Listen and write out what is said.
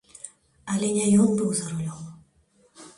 Але не ён быў за рулём.